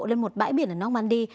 lên một bãi biển ở normandy